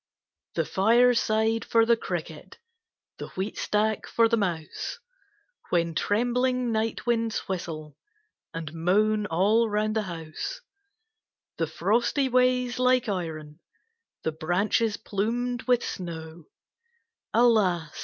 The fireside for the Cricket, The wheatstack for the Mouse, When trembling night winds whistle And moan all round the house; The frosty ways like iron, The branches plumed with snow, Alas!